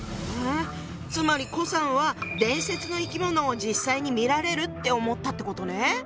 つまり顧さんは伝説の生き物を実際に見られるって思ったってことね。